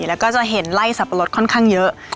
แล้วก็จะเห็นไล่สับปะรดค่อนข้างเยอะ